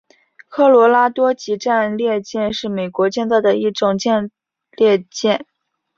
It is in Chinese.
科罗拉多级战列舰是美国建造的一种战列舰。